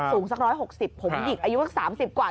สูงสัก๑๖๐ผมหยิกอายุสัก๓๐กว่า